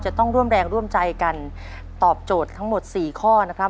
จะต้องร่วมแรงร่วมใจกันตอบโจทย์ทั้งหมดสี่ข้อนะครับ